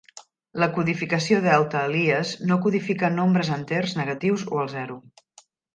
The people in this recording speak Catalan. La codificació delta Elias no codifica nombres enters negatius o el zero.